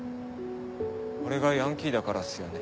俺がヤンキーだからっすよね？